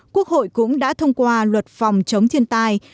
quốc hội cũng đã thông qua luật phòng chống thiên tai